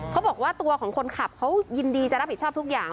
เขาบอกว่าตัวของคนขับเขายินดีจะรับผิดชอบทุกอย่าง